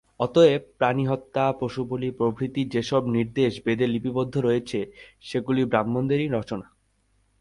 অতএব প্রাণিহত্যা, পশুবলি প্রভৃতির যে-সব নির্দেশ বেদে লিপিবদ্ধ রয়েছে, সেগুলি ব্রাহ্মণদেরই রচনা।